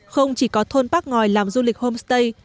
không chỉ có thôn bác ngòi làm du lịch homestay